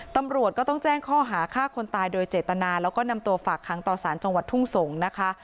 ตำรวจก็ต้องแจ้งข้อหาฆ่าคนตายโดยเจตนาแล้วก็นำตัวฝากค้างต่อสารจังหวัดทุ่งสงศ์นะคะ